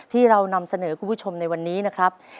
ที่เรานำเสนอคุณผู้ชมในวันนี้นะครับ